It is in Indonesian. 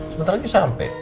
sebentar lagi sampai